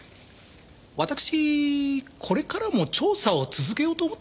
私これからも調査を続けようと思っております。